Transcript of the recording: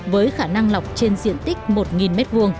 với khả năng lọc trên diện tích một m hai